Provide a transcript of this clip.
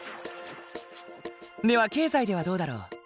では経済ではどうだろう？